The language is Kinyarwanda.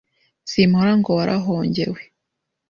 Simpora ngo warahongewe